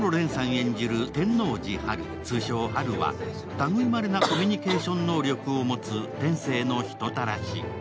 演じる天王寺ハル通称・ハルはたぐいまれなコミュニケーション能力を持つ天性の人たらし。